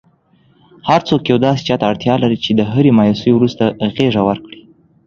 هرڅوک یو داسي چاته اړتیا لري چي د هري مایوسۍ وروسته غیږه ورکړئ.!